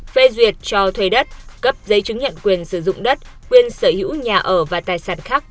phê duyệt cho thuê đất cấp giấy chứng nhận quyền sử dụng đất quyền sở hữu nhà ở và tài sản khác